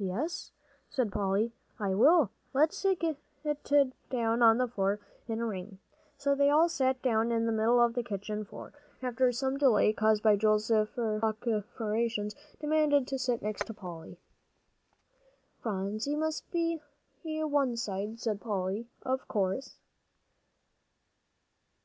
"Yes," said Polly, "I will. Let's get down on the floor in a ring." So they all sat down in the middle of the kitchen floor, after some delay, caused by Joel's vociferous demand to sit next to Polly. "Phronsie must be one side," said Polly, "of course."